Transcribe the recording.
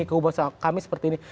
ke kubu kami seperti ini